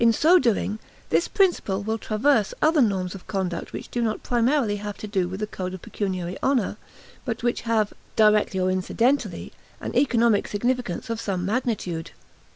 In so doing, this principle will traverse other norms of conduct which do not primarily have to do with the code of pecuniary honor, but which have, directly or incidentally, an economic significance of some magnitude.